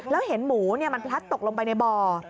แล้วเห็นหมูมันพลัดตกลงไปในบ่อ